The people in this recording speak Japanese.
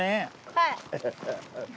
はい。